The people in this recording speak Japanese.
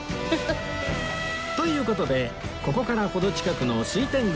という事でここから程近くの水天宮へお参りに